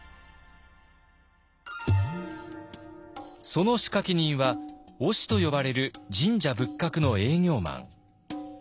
その仕掛け人は御師と呼ばれる神社仏閣の営業マン。